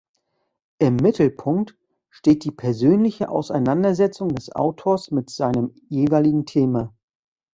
Im Mittelpunkt steht die persönliche Auseinandersetzung des Autors mit seinem jeweiligen Thema.